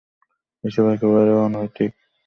এসব একেবারেই অনৈতিক।